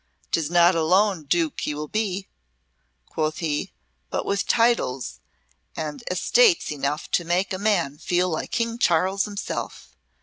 "'Tis not alone Duke he will be," quoth he, "but with titles and estates enough to make a man feel like King Charles himself.